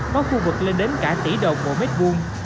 có khu vực lên đến cả tỷ đồng mỗi mét vuông